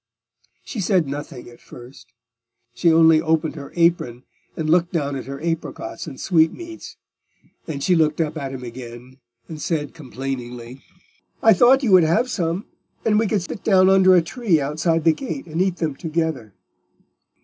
She said nothing at first; she only opened her apron and looked down at her apricots and sweetmeats. Then she looked up at him again and said complainingly— "I thought you would have some, and we could sit down under a tree outside the gate, and eat them together."